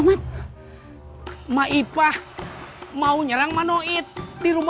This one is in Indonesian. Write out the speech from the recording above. mbak maipah mau nyerang manoid di rumahnya